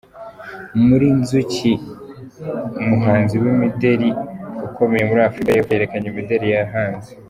Muri Inzuki muhanzi w’imideli ukomeye muri Afurika y’Epfo Yerekanye imideli yahanze.